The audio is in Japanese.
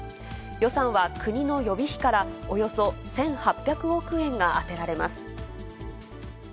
予算は国の予備費からおよそ１８００億円が充てられます。